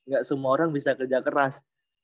gak semua orang bisa kerja keras